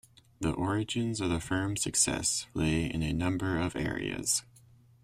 The origins of the firm's success lay in a number of areas.